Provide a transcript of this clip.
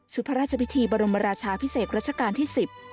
ชุดพระราชวิทธิบริมานราชาภิเษกรัชกาลที่๑๐